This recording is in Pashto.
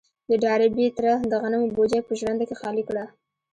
د ډاربي تره د غنمو بوجۍ په ژرنده کې خالي کړه.